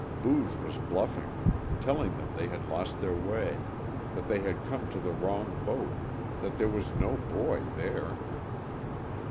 Booge was bluffing telling them they had lost their way, that they had come to the wrong boat, that there was no boy there.